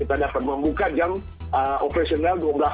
kita dapat membuka jam operasional